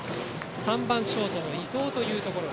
３番ショートの伊藤というところ。